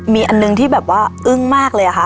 มีอันหนึ่งที่แบบว่าอึ้งมากเลยค่ะ